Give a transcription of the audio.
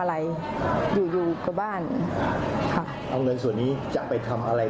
อะไรอยู่อยู่กับบ้านค่ะเอาเงินส่วนนี้จะไปทำอะไร